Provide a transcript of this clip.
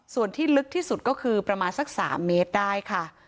ส่วนที่ลึกที่สุดก็คือประมาณสัก๓เมตรได้ค่ะ